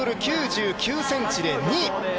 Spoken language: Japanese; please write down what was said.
７ｍ９９ｃｍで２位！